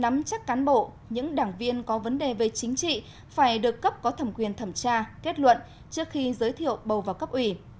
nắm chắc cán bộ những đảng viên có vấn đề về chính trị phải được cấp có thẩm quyền thẩm tra kết luận trước khi giới thiệu bầu vào cấp ủy